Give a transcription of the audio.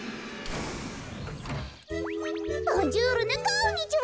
ボンジュールのこんにちは。